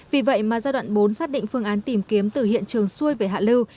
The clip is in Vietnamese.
vì vậy mà giai đoạn bốn xác định phương án tìm kiếm từ hiện trường xuôi về hạ lưu